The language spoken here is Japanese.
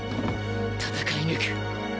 戦い抜く！